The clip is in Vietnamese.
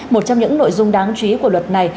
một trong những nội dung đáng chú ý của luật này